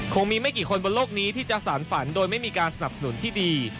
คงมีไม่กี่คนบนโลกนี้ที่จะสารฝันโดยไม่มีการสนับสนุนที่ดี